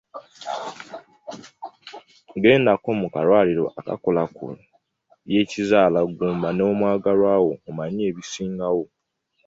Gendako mu kalwaliro akakola ku by'Ekizaalaggumba n'omwagalwa wo omanye ebisingawo.